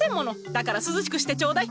だから涼しくしてちょうだい！